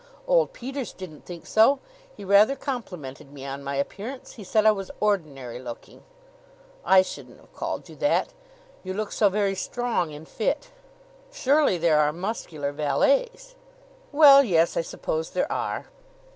"Old Peters didn't think so. He rather complimented me on my appearance. He said I was ordinary looking." "I shouldn't have called you that. You look so very strong and fit." "Surely there are muscular valets?" "Well, yes; I suppose there are."